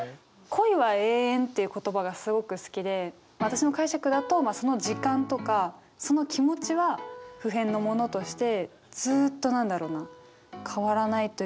「恋は永遠」って言葉がすごく好きで私の解釈だとまあその時間とかその気持ちは不変のものとしてずっと何だろうな変わらないというか